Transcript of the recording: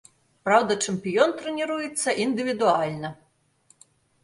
Праўда, чэмпіён трэніруецца індывідуальна.